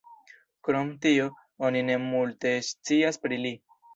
Krom tio, oni ne multe scias pri li.